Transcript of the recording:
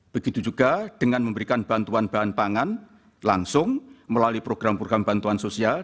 begitu juga dengan memberikan bantuan bahan pangan langsung melalui program program bantuan sosial